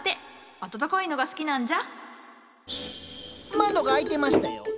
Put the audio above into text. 窓が開いてましたよ。